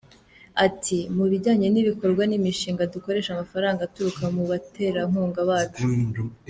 Ati: “Mu bijyanye n’ibikorwa n’imishinga dukoresha amafaranga aturuka mu baterankunga bacu.